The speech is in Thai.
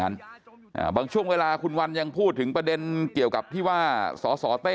อ่าบางช่วงเวลาคุณวันยังพูดถึงประเด็นเกี่ยวกับที่ว่าสอสอเต้